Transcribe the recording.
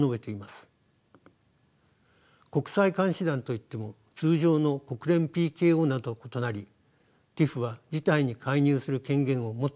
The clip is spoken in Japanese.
国際監視団といっても通常の国連ＰＫＯなどと異なりＴＩＰＨは事態に介入する権限を持っていませんでした。